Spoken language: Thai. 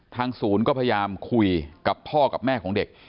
ศูนย์ก็พยายามคุยกับพ่อกับแม่ของเด็ก